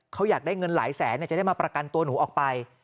เขาอยากได้เงินหลายแสนจะได้มาประกันตัวหนูออกไป